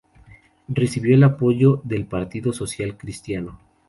Recibió el apoyo del Partido Social Cristiano.